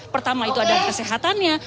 pertama itu adalah kesehatannya